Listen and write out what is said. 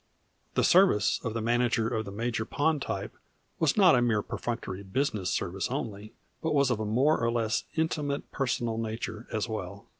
The service of the manager of the Major Pond type was not a mere perfunctory business service only, but was of a more or less intimate personal nature as well.